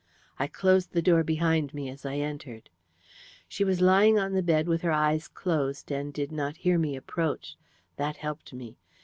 I closed the door behind me as I entered. "She was lying on the bed with her eyes closed, and did not hear me approach. That helped me.